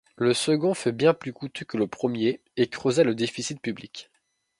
Le second fut bien plus coûteux que le premier, et creusa le déficit public.